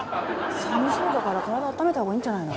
寒そうだから体あっためたほうがいいんじゃないの？